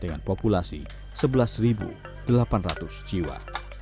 dengan populasi sebelas delapan ratus jiwa